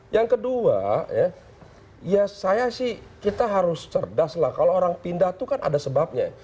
yang kedua ya saya sih kita harus cerdas lah kalau orang pindah itu kan ada sebabnya